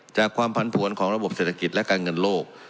จากความผันผวนของระบบเศรษฐกิจและการเงินโลก